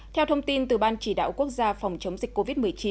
theo thông tin từ ban chỉ đạo quốc gia phòng chống dịch covid một mươi chín